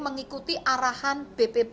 mengikuti arahan bppd setempat